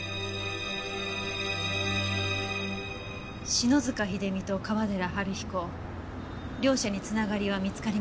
篠塚秀実と川寺治彦両者に繋がりは見つかりませんでした。